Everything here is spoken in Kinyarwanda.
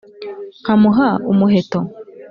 nkamuha umuheto?"